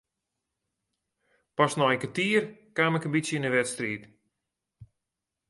Pas nei in kertier kaam ik in bytsje yn de wedstriid.